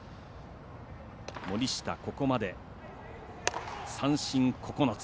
森下、ここまで三振９つ。